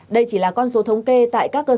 đây chỉ là con số thống kê tại các cơ sở